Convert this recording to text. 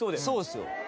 そうですよ